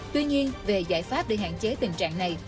tuy nhiên về giải pháp để hạn chế tình trạng này